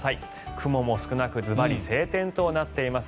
雲も少なくズバリ晴天となっています。